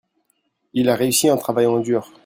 il a réussi en travaillant dur.